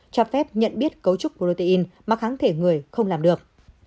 cho phép nhận biết cấu trúc protein mà kháng thể người không làm được